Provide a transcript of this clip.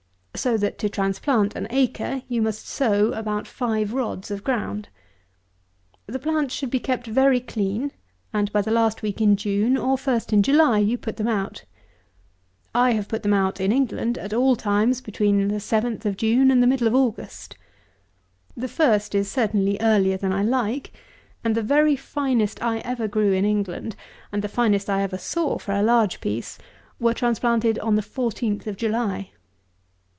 So that to transplant an acre, you must sow about five rods of ground. The plants should be kept very clean; and, by the last week in June, or first in July, you put them out. I have put them out (in England) at all times between 7th of June and middle of August. The first is certainly earlier than I like; and the very finest I ever grew in England, and the finest I ever saw for a large piece, were transplanted on the 14th of July.